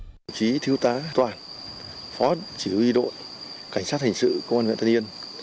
đồng chí thiêu tá hà văn toàn phó chỉ huy đội cảnh sát hành sự công an huyện thân yên